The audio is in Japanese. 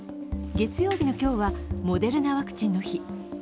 月曜日の今日はモデルナワクチンの日。